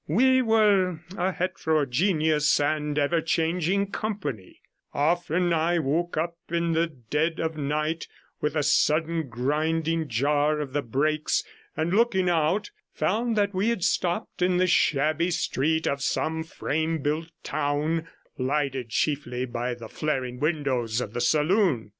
We were a heterogeneous and ever changing company; often I woke up in the dead of night with a sudden grinding jar of the brakes, and looking out found that we had stopped in the shabby street of some frame built town, lighted 21 chiefly by the flaring windows of the saloon.